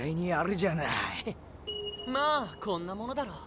まあこんなものだろう。